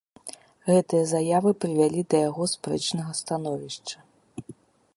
Гэтыя заявы прывялі да яго спрэчнага становішча.